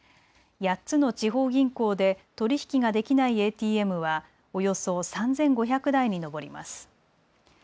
８つの地方銀行で取り引きができないＡＴＭはおよそ３５００台に上ります。